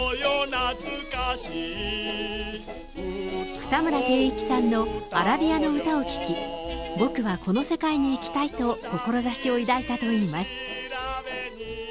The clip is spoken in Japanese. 二村定一さんのアラビアの唄を聴き、僕はこの世界に行きたいと、志を抱いたといいます。